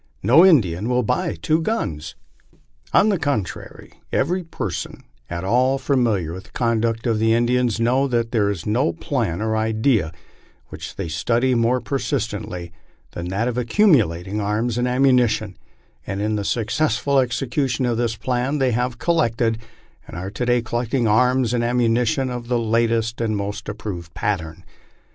No Indian will buy IAVO guns." On the contrary, every person at all familiar with the conduct of the In dians knows that there is no plan or idea which they study more persistently than that of accumulating arms and ammunition, and in the successful execu tion of this plan they have collected, and are to day collecting arms and am munition of the latest and most approved pattern.